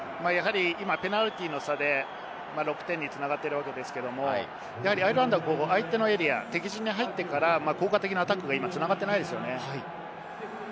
ペナルティーの差で６点に繋がっているわけですけれども、アイルランドは相手のエリア、敵陣に入ってから効果的なアタックに繋がっていないですよね。